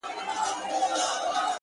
ځوان لگيا دی _